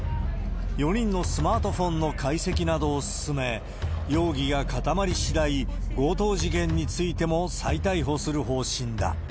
４人のスマートフォンの解析などを進め、容疑が固まり次第、強盗事件についても再逮捕する方針だ。